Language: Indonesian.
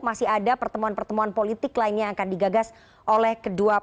masih ada pertemuan pertemuan politik lainnya yang akan digagas oleh kedua partai